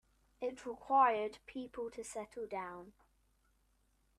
It required people to settle down.